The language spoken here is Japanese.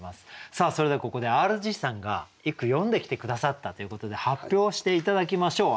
さあそれではここでＲＧさんが一句詠んできて下さったということで発表して頂きましょう。